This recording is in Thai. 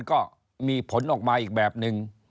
ก็มีผลออกมาอีกแบบนึง